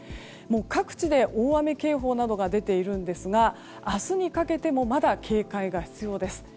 各地で大雨警報などが出ているんですが明日にかけてもまだ警戒が必要です。